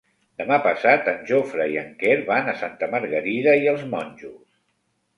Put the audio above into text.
Demà passat en Jofre i en Quer van a Santa Margarida i els Monjos.